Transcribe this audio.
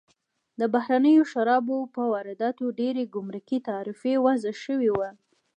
د بهرنیو شرابو پر وارداتو ډېر ګمرکي تعرفه وضع شوې وه.